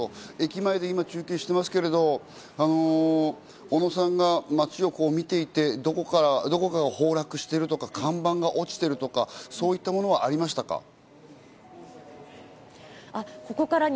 駅前で今、中継していますけど小野さんが街を見ていて、どこかが崩落しているとか看板が落ちているとか、そういったものはありましたか？